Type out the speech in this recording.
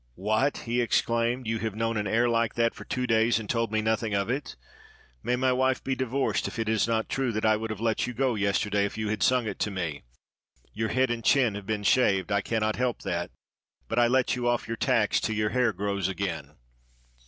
"What!" he exclaimed, "you have known an air like that for two days and told me nothing of it? May my wife be divorced if it is not true that I would have let you go yesterday if you had sung it to me ! Your head and chin have been shaved, — I cannot 515 ARABIA help that, — but I let you off your tax till your hair grows again.'"